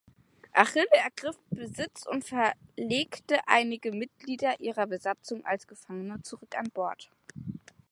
„Achille“ ergriff Besitz und verlegte einige Mitglieder ihrer Besatzung als Gefangene zurück an Bord.